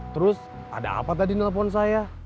terus ada apa tadi nelfon saya